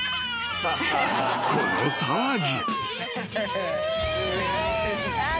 ［この騒ぎ］